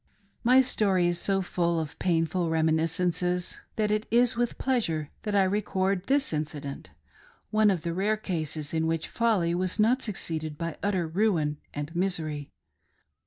My story is so full of painful reminiscences, that it is with pleasure that I record this incident — one of the rare cases in which folly was not succeeded by utter ruin and misery.